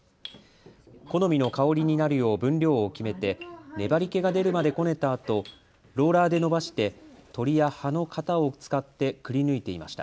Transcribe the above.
好みの香りになるよう分量を決めて粘りけが出るまでこねたあと、ローラーでのばして鳥や葉の型を使ってくりぬいていました。